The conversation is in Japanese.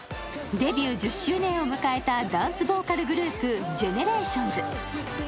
デビュー１０周年を迎えたダンスボーカルグループ、ＧＥＮＥＲＡＴＩＯＮＳ。